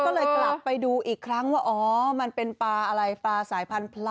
โอ๊ยแหม่ลุ้นให้ป่าย